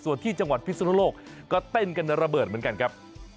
ส่วนที่จังหวัดพิศนุโลกก็เต้นกันระเบิดเหมือนกันครับ